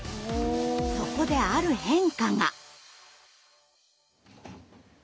そこである変化が。